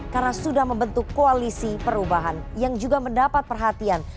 karena sudah membentuk koalisi perubahan yang juga mendapat perhatian